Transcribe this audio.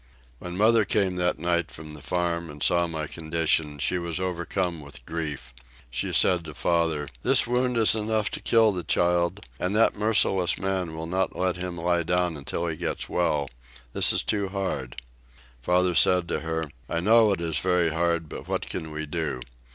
When mother came that night from the farm and saw my condition, she was overcome with grief; she said to father, "this wound is enough to kill the child, and that merciless man will not let him lie down until he gets well: this is too hard." Father said to her, "I know it is very hard, but what can we do?